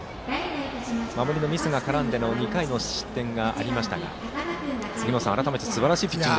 守りのミスが絡んでの２回の失点がありましたが杉本さん、改めてすばらしいピッチング。